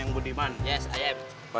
walau bagian gede tapi tetap oke lah